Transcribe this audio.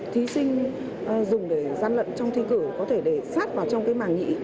thí sinh dùng để gian lận trong thi cử có thể để sát vào trong cái màng nhị